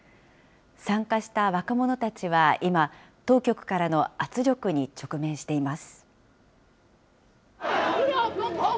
参加した若者たちは今、当局からの圧力に直面しています。